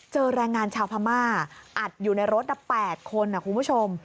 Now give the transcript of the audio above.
แรงงานชาวพม่าอัดอยู่ในรถ๘คนคุณผู้ชม